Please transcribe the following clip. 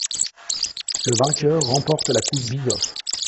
Le vainqueur remporte la Coupe Byzov.